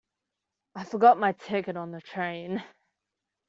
I forgot my ticket on the train.